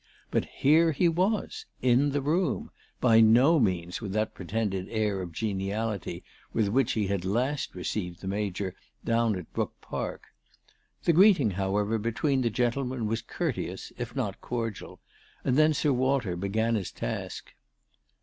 But here he was, in the room, by no means with that pretended air of geniality with which he had last received the Major down at Brook Park. The greeting, however, between the gentlemen was courteous if not cordial, and then Sir Walter began his task.